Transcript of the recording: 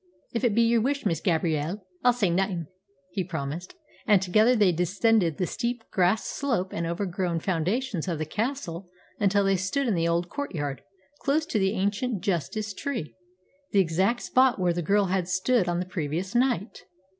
"If it be yer wush, Miss Gabrielle, I'll say naething," he promised. And together they descended the steep grass slope and overgrown foundations of the castle until they stood in the old courtyard, close to the ancient justice tree, the exact spot where the girl had stood on the previous night.